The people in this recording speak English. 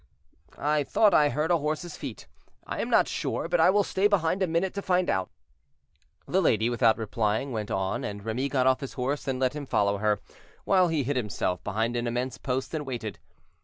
"I thought I heard a horse's feet. I am not sure, but I will stay behind a minute to find out." The lady, without replying, went on, and Remy got off his horse and let him follow her, while he hid himself behind an immense post and waited.